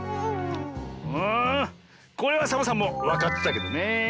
んこれはサボさんもわかってたけどねえ。